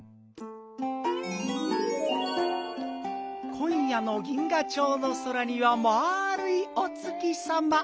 こんやの銀河町の空にはまあるいお月さま。